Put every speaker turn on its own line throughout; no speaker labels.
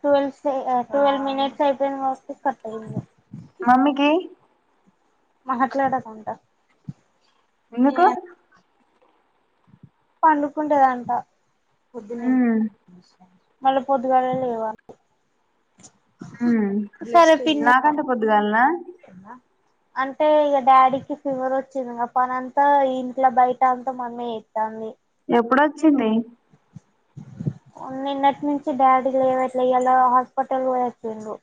Twelve twelve minutes అయిపోయింది కాబట్టి cut అయింది.
ఆ మమ్మీకీ
మాట్లాడకుంట
ఎందుకు?
పండుకుంటేదంట పొద్దు
మ్మ్
మళ్ళా పొద్దుగాళ లేవ
నాకంట పొద్దుగాలినా
అంటే ఇక డాడీకి ఫీవర్ వచ్చింది పనిఅంత ఇంట్లో బయట అంతా మా అమ్మే చేత్తాంది
ఎప్పుడొచ్చింది
నిన్నటి నుంచి డాడీకు [unintelligible] హాస్పిటల్ పోయి వచ్చిండు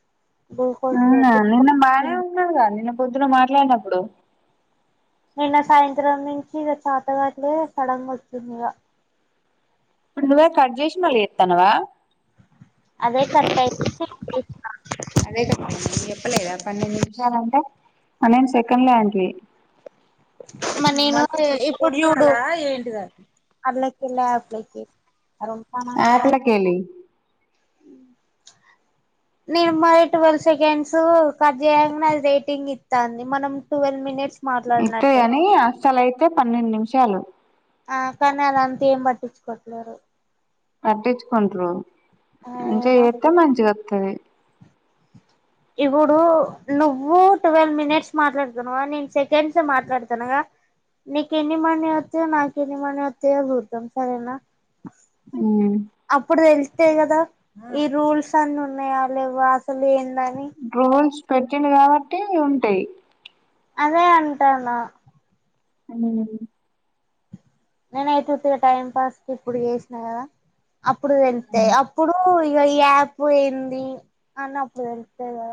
గ్లూకోజ్ లో
అవునా నిన్న బానే న్నాగా నిన్న పొద్దున మాట్లాడినప్పుడు
నిన్న సాయంత్రం నుంచి ఇక చాతగాట్లే సడంగా వచ్చింది ఇక
ఇప్పుడు నువ్వే కట్ చేేసి మళ్ళీ చేస్తానవ
అదే కట్టయి తే చేసిన
అదే చెప్పలేదా పన్నెండు నిమిషాలంటే పన్నెండు సెకండ్లే [unintelligible]
మ నేను ఇప్పుడు యూటూబ్ ఏంటి క అళ్ళకి లాబ్ లో కి
[unintelligible] కేలి
నేను మరి ట్వెల్్ సెకండ్స్ కర్ చేయంగాది రేటింగ్ ఇస్తాంది మనం ట్వెల్వ్ మినిట్స్ మాట్లాడినట్టే
ఇంతయ్యని అస్సల అయి పన్నెండు నిమిషాలు
ఆ కానీ అలా అంత ఏం పట్టించుకోట్లేరు
పట్టించుకుంటారు
ఆ
మంచిగా
ఏమో
చేతే మంచిగా [unintelligible]
ఇప్పుడు నువ్వు ట్వెల్వ్ మినిట్స్ మాట్లాడుతానువా నేను సెకండ్స్ మాట్లాడుతానుగా నీక ఎన్ని మనీ వస్తాయో నాకు ఎన్ని మనీ వస్తాయో చూద్దాం సరేనా
మ్మ్
అప్పుడు తేలిసి అే కదా ఈ రూల్స్ అన్ని ఉన్నాయా లేవ అసలు ఏంద
రూల్స్ పెట్టిండు కాబట్టి ఉంటాయి
అదే అంటన్న
ఉమ్
నేనయితుతు టైం పాస్ క ఇప్పుడు చేసినా కదా అప్పుడు వెళ్తేా అప్పుడు ఇ ఏ పో ఏంది అన్న [unintelligible]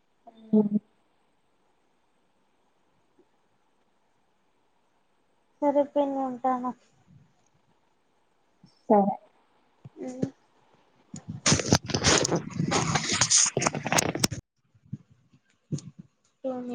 అ
సరే పిన్నీ ఉంటాను
సరే
అ
[unintelligible]
[unintelligible]